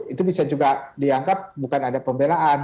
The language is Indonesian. itu bisa juga dianggap bukan ada pembelaan